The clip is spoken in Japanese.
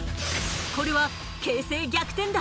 これは形勢逆転だ！